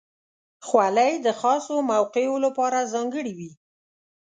خولۍ د خاصو موقعو لپاره ځانګړې وي.